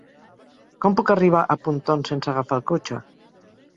Com puc arribar a Pontons sense agafar el cotxe?